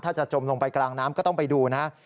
ถ้าจะจมลงไปกลางน้ำก็ต้องไปดูนะ